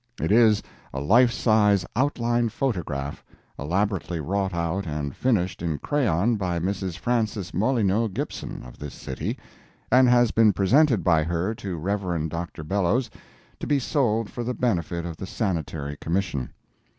It is a life size outline photograph, elaborately wrought out and finished in crayon by Mrs. Frances Molineux Gibson, of this city, and has been presented by her to Rev. Dr. Bellows, to be sold for the benefit of the Sanitary Commission.